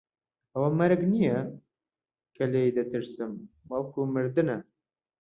ئەوە مەرگ نییە کە لێی دەترسم، بەڵکوو مردنە.